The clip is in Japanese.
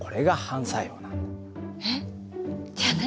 えっじゃあ何？